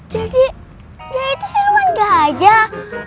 jadi dia itu siluman gajah